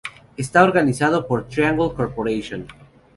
Está organizado por Triangle Corporation.